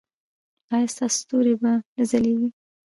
ایا ستاسو ستوري به نه ځلیږي؟